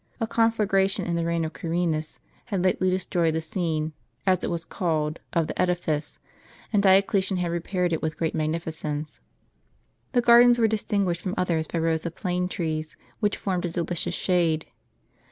A conflagration in the reign of Carinus had lately destroyed the scene, as it was called, of the edifice, and Dioclesian had repaired it with great magnificence. The gardens were distinguished from others by rows of plane trees, which formed a delicious shade.